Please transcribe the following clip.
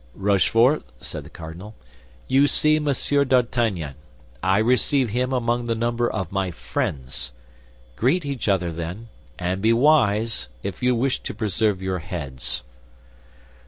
"Rochefort," said the cardinal, "you see Monsieur d'Artagnan. I receive him among the number of my friends. Greet each other, then; and be wise if you wish to preserve your heads."